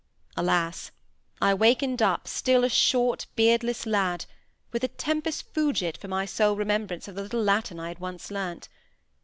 Alas! I wakened up still a short, beardless lad, with "tempus fugit" for my sole remembrance of the little Latin I had once learnt.